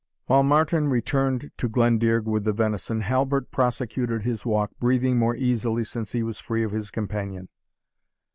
] While Martin returned to Glendearg with the venison, Halbert prosecuted his walk, breathing more easily since he was free of his companion.